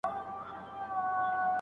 او ما په هغه پسي اقتداء کړې ده.